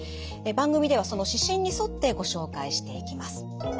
番組ではその指針に沿ってご紹介していきます。